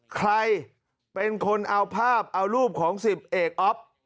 ใครเป็นคนเอาภาพเอารูปของ๑๐เอกอ๊อฟ